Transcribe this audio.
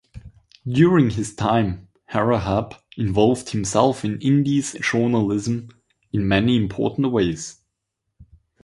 During this time Harahap involved himself in Indies journalism in many important ways.